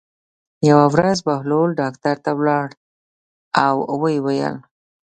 یوه ورځ بهلول ډاکټر ته لاړ او ویې ویل.